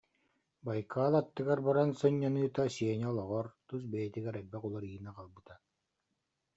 Байкал аттыгар баран сынньаныыта Сеня олоҕор, тус бэйэтигэр элбэх уларыйыыны аҕалбыта